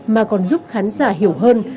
mà còn giúp khán giả hiểu hơn